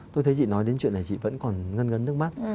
tôi thấy chị nói đến chuyện này chị vẫn còn ngân ngấn nước mắt